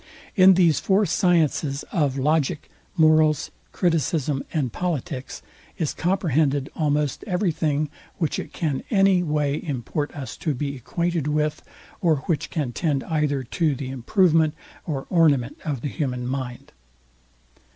In these four sciences of Logic, Morals, Criticism, and Politics, is comprehended almost everything, which it can any way import us to be acquainted with, or which can tend either to the improvement or ornament of the human mind.